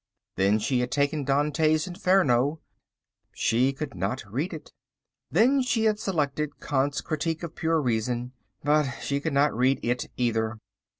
Then she had taken Dante's Inferno. She could not read it. Then she had selected Kant's Critique of Pure Reason. But she could not read it either.